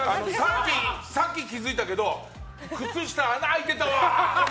さっき気づいたけど靴下穴開いてたわ！